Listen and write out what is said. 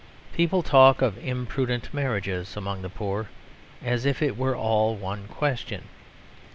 People talk of imprudent marriages among the poor, as if it were all one question.